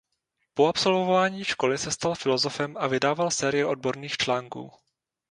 Po absolvování školy se stal filosofem a vydával série odborných článků.